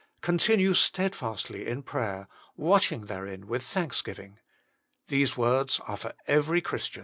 Continue steadfastly in prayer, watching therein with thanksgiving. These words are for every Christian.